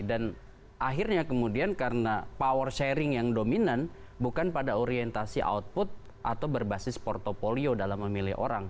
dan akhirnya kemudian karena power sharing yang dominan bukan pada orientasi output atau berbasis porto polio dalam memilih orang